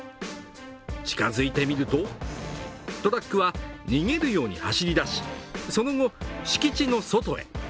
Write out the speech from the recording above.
近づいてみるとトラックは逃げるように走り出しその後、敷地の外へ。